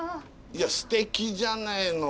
いやすてきじゃないの。